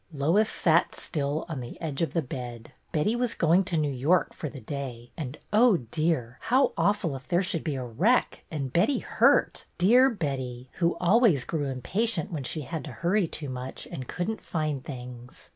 Lois sat still on the edge of the bed. Betty was going to New York for the day, and, oh dear, how awful if there should be a wreck and Betty hurt, — dear Betty, who always grew im patient when she had to hurry too much and could n't find things